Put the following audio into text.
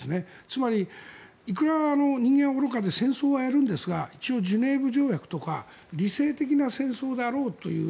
つまり、いくら人間は愚かで戦争はやるんですが一応、ジュネーブ条約とか理性的な戦争だろうという